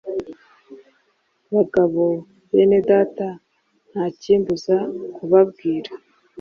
Bagabo bene Data, nta kimbuza kubabwira,